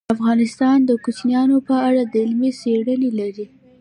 افغانستان د کوچیان په اړه علمي څېړنې لري.